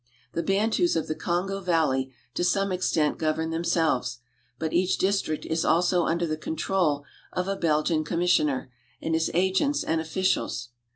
The Bantus of the Kongo valley to some extent govern themselves, but each district is also under the control of a Belgian commissioner and his agents and officials.